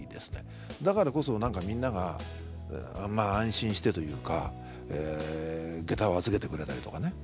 だからこそなんかみんなが安心してというか下駄を預けてくれたりとかね